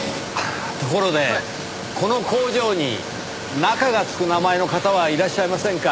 ところでこの工場に「中」がつく名前の方はいらっしゃいませんか？